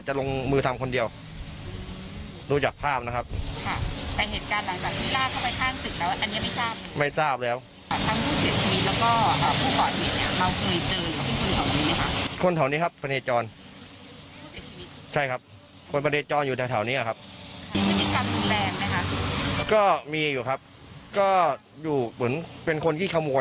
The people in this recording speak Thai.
จะลงมือทำคนเดียวดูจากภาพนะครับค่ะแต่เหตุการณ์หลังจากพิสรากเข้าไปข้างตึกแล้ว